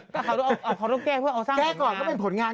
ต้องแก้จะเป็นผลงาน